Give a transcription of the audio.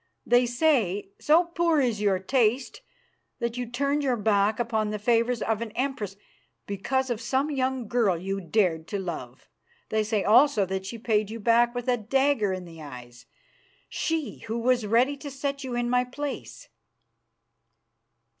They say, so poor is your taste, that you turned your back upon the favours of an Empress because of some young girl you dared to love. They say also that she paid you back with a dagger in the eyes, she who was ready to set you in my place."